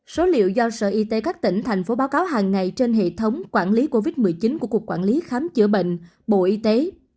số liệu do sở y tế các tỉnh thành phố báo cáo hàng ngày trên hệ thống quản lý covid một mươi chín của cục quản lý khám chữa bệnh bộ y tế